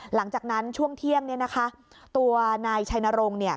หลังจากนั้นช่วงเที่ยมเนี่ยนะคะตัวนายชายนโรงเนี่ย